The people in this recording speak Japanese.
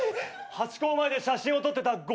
ハチ公前で写真を撮ってた５人が死んだ。